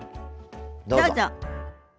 どうぞ。